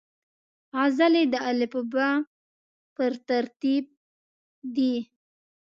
غزلې د الفبې پر ترتیب دي.